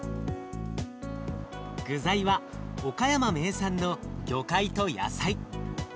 具材は岡山名産の魚介と野菜。